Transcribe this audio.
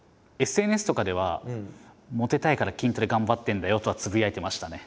ＳＮＳとかではモテたいから筋トレ頑張ってるんだよとはつぶやいてましたね。